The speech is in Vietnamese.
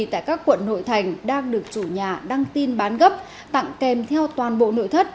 tại các quận nội thành đang được chủ nhà đăng tin bán gấp tặng kèm theo toàn bộ nội thất